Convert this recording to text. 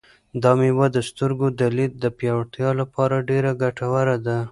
دا مېوه د سترګو د لید د پیاوړتیا لپاره ډېره ګټوره ده.